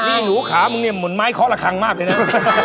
นี่หนูขามึงเนี่ยหมุนไม้เคราะห์ละครั้งมากเลยนั่น